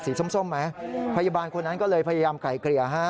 ส้มไหมพยาบาลคนนั้นก็เลยพยายามไก่เกลี่ยฮะ